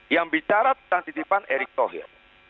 yang bicara tentang titipan erik tohir